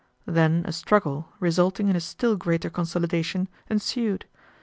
Then a struggle, resulting in a still greater consolidation, ensued.